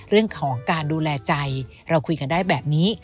เรื่องของการดูแลใจเราคุยกันได้แบบนี้